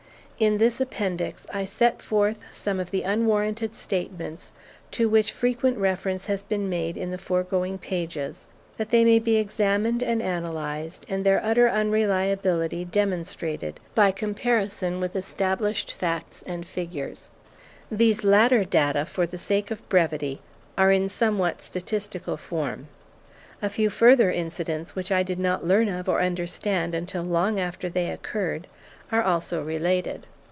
In this Appendix I set forth some of the unwarranted statements to which frequent reference has been made in the foregoing pages, that they may be examined and analyzed, and their utter unreliability demonstrated by comparison with established facts and figures. These latter data, for the sake of brevity, are in somewhat statistical form. A few further incidents, which I did not learn of or understand until long after they occurred, are also related.